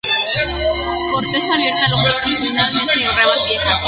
Corteza abierta longitudinalmente en ramas viejas.